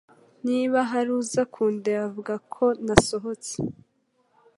Niba hari uza kundeba, vuga ko nasohotse.